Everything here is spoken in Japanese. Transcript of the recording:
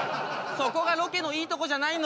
そこがロケのいいとこじゃないの？